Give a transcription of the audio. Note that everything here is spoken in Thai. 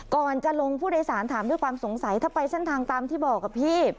ก่อนจะลงผู้โดยสารถามด้วยความสงสัยถ้าไปเส้นทางตามที่บอกกับพี่